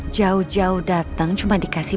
jauh jauh datang cuma dikasih